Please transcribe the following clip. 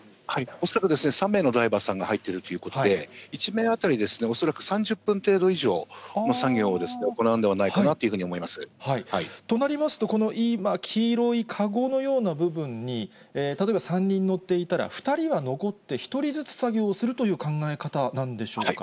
恐らく３名のダイバーさんが入っているということで、１名当たり、恐らく３０分程度以上の作業を行うんではないかなというふうに思となりますと、この黄色い籠のような部分に、例えば３人乗っていたら、２人は残って１人ずつ作業をするという考え方なんでしょうか。